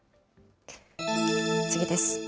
次です。